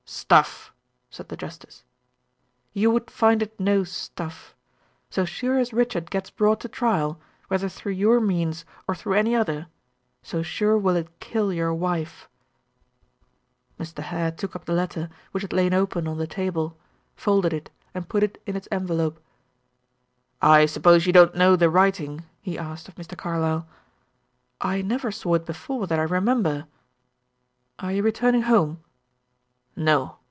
"Stuff!" said the justice. "You would find it no 'stuff.' So sure as Richard gets brought to trial, whether through your means, or through any other, so sure will it kill your wife." Mr. Hare took up the letter, which had lain open on the table, folded it, and put it in its envelope. "I suppose you don't know the writing?" he asked of Mr. Carlyle. "I never saw it before, that I remember. Are you returning home?" "No.